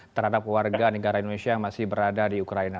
terhadap warga negara indonesia yang masih berada di ukraina